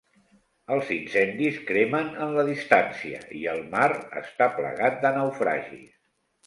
Els incendis cremen en la distància i el mar està plagat de naufragis.